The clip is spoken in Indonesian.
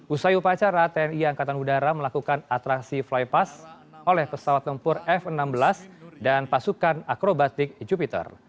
usai upacara tni angkatan udara melakukan atraksi flypass oleh pesawat tempur f enam belas dan pasukan akrobatik jupiter